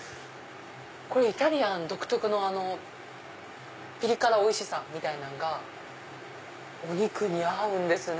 これイタリアン独特のピリ辛おいしさみたいなんがお肉に合うんですね。